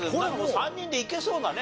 ３人でいけそうだね。